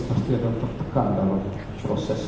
pasti akan tertekan dalam proses